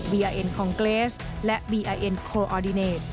ีเอ็นคองเกรสและบีอาเอ็นโคออดิเนต